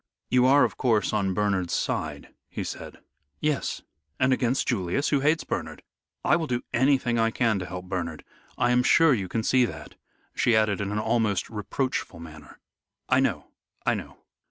"You are, of course, on Bernard's side," he said. "Yes. And against Julius, who hates Bernard. I will do anything I can to help Bernard. I am sure you can see that," she added in a most reproachful manner. "I know I know.